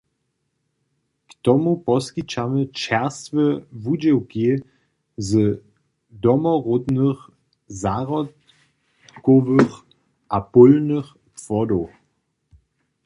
K tomu poskićamy čerstwe wudźěłki z domoródnych zahrodkowych a pólnych płodow.